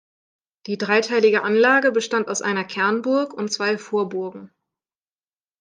Die dreiteilige Anlage bestand aus einer Kernburg und zwei Vorburgen.